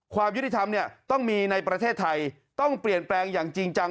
ความยุติธรรมเนี่ยต้องมีในประเทศไทยต้องเปลี่ยนแปลงอย่างจริงจัง